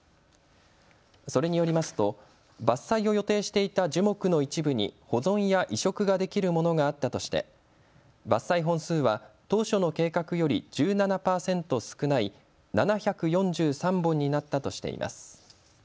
それによりますと伐採を予定していた樹木の一部に保存や移植ができるものがあったとして伐採本数は当初の計画より１７％少ない７４３本になったとしています。